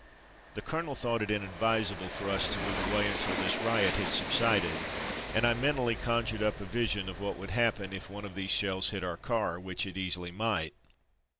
The colonel thought it inadvisable for us to ^ move away until 276 From Mud to Mufti this riot had subsided, and I mentally con jured up a vision of what would happen if one of those shells hit our car, which it easily might.